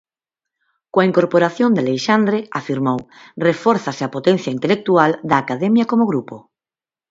Coa incorporación de Aleixandre, afirmou, "refórzase a potencia intelectual da Academia como grupo".